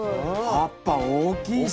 葉っぱ大きいし。